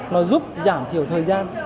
nó giúp giảm thiểu thời gian